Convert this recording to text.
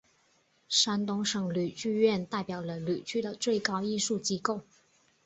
山东省吕剧院代表了吕剧的最高艺术机构。